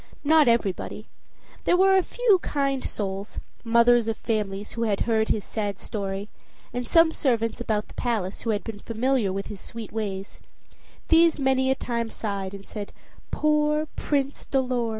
Not everybody. There were a few kind souls, mothers of families, who had heard his sad story, and some servants about the palace, who had been familiar with his sweet ways these many a time sighed and said, "Poor Prince Dolor!"